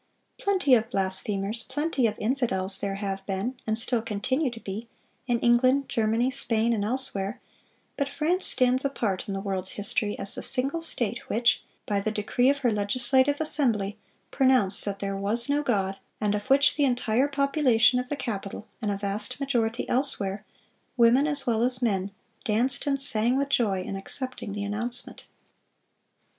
Plenty of blasphemers, plenty of infidels, there have been, and still continue to be, in England, Germany, Spain, and elsewhere; but France stands apart in the world's history as the single state which, by the decree of her Legislative Assembly, pronounced that there was no God, and of which the entire population of the capital, and a vast majority elsewhere, women as well as men, danced and sang with joy in accepting the announcement."